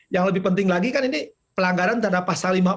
yang lebih penting lagi kan ini pelanggaran terhadap pasal lima puluh empat